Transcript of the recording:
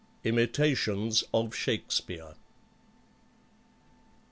Imitations of Shakspeare.